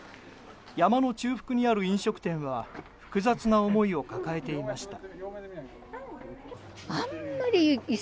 山の中腹にある飲食店は複雑な思いを抱えていました。